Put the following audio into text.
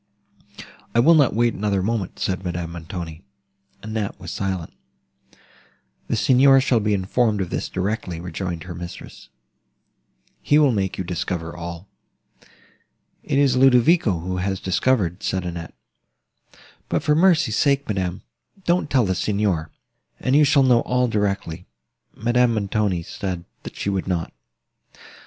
"I will not wait another moment," said Madame Montoni. Annette was silent. "The Signor shall be informed of this directly," rejoined her mistress; "he will make you discover all." "It is Ludovico, who has discovered," said Annette: "but for mercy's sake, madam, don't tell the Signor, and you shall know all directly." Madame Montoni said, that she would not.